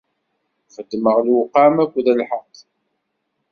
Xeddmeɣ lewqam akked lḥeqq.